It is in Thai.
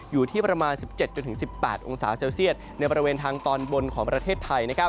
อยู่ที่ประมาณ๑๗๑๘องศาเซลเซียตในบริเวณทางตอนบนของประเทศไทย